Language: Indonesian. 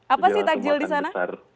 apa sih takjil di sana